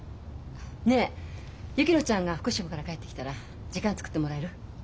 ねえ薫乃ちゃんが福島から帰ってきたら時間作ってもらえる？